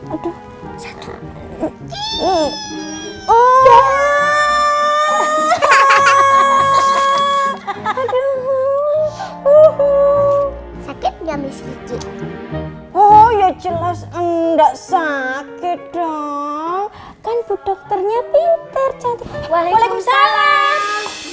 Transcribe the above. aduh satu oh ya jelas enggak sakit dong kan bu dokternya pinter cantik waalaikumsalam